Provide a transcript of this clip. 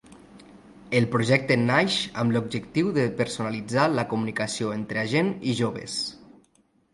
El projecte naix amb l’objectiu de personalitzar la comunicació entre agent i joves.